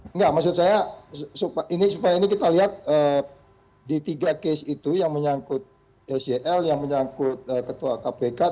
enggak maksud saya supaya ini kita lihat di tiga case itu yang menyangkut sel yang menyangkut ketua kpk